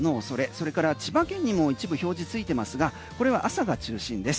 それから千葉県にも一部表示ついてますがこれは朝が中心です。